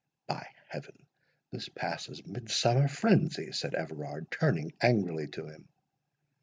"By Heaven! this passes Midsummer frenzy," said Everard, turning angrily to him.